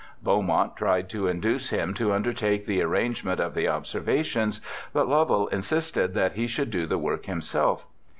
Beaumont tried to induce him to undertake the arrangement of the observations, but Lovell insisted that he should do the work himself.